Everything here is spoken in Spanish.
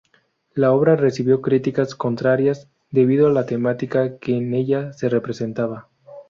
La obra recibió críticas contrarias debido a la temática que en ella se representaba.